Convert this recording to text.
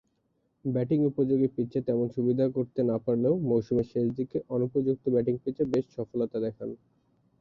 Batting উপযোগী পিচে তেমন সুবিধা করতে না পারলেও মৌসুমের শেষদিকে অনুপযুক্ত ব্যাটিং পিচে বেশ সফলতা দেখান।